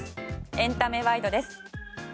エンタメワイドです。